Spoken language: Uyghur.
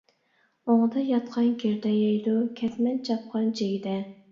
ئوڭدا ياتقان گىردە يەيدۇ، كەتمەن چاپقان جىگدە.